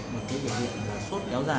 một cái biểu hiện là sốt béo dài